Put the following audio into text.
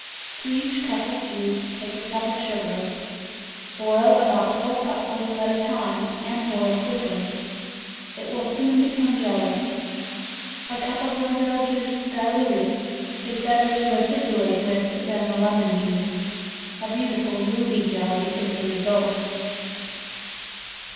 To each cup of juice take a cup of sugar. Boil about four cupfuls at a time and boil quickly. It will soon become jelly. A cup of roselle juice diluted is better to acidulate with than the lemon juice. A beautiful ruby jelly is the result.